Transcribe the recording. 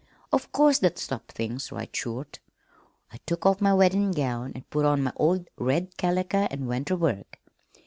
Of course that stopped things right short. I took off my weddin' gown an' put on my old red caliker an' went ter work.